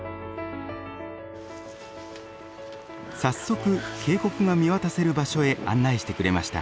早速渓谷が見渡せる場所へ案内してくれました。